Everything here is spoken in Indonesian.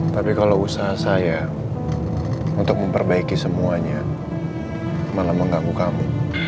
tapi kalau usaha saya untuk memperbaiki semuanya malah mengganggu kami